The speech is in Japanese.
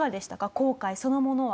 航海そのものは。